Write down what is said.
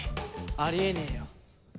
ありえねえよ。